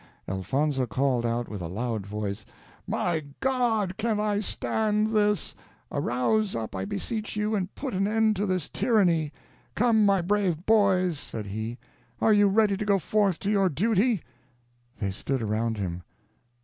Elfonzo called out with a loud voice, "My God, can I stand this! arouse up, I beseech you, and put an end to this tyranny. Come, my brave boys," said he, "are you ready to go forth to your duty?" They stood around him.